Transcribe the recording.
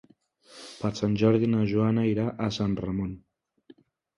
Per Sant Jordi na Joana irà a Sant Ramon.